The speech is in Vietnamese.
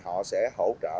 họ sẽ hỗ trợ